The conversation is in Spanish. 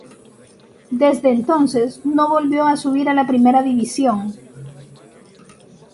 Desde entonces no volvió a subir a la Primera División.